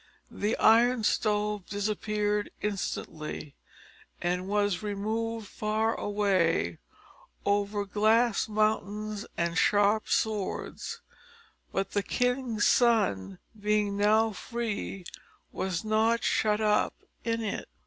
The Iron Stove disappeared instantly, and was removed far away, over glass mountains and sharp swords; but the king's son, being now freed, was not shut up in it.